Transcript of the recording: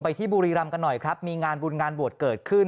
ที่บุรีรำกันหน่อยครับมีงานบุญงานบวชเกิดขึ้น